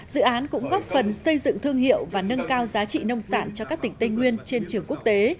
dự án cũng góp phần xây dựng thương hiệu và nâng cao giá trị nông sản cho các tỉnh tây nguyên trên trường quốc tế